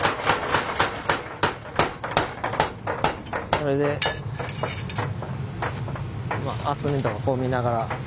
これで厚みとか見ながら。